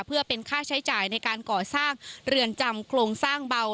เพื่อเป็นค่าใช้จ่ายในการก่อสร้างเรือนจำโครงสร้างเบา